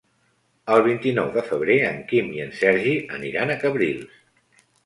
El vint-i-nou de febrer en Quim i en Sergi aniran a Cabrils.